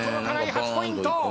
８ポイント。